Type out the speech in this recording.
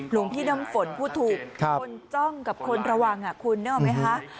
หลวงพี่น้ำฝนพูดถูกคนจ้องกับคนระวังคุณนึกออกไหมคะ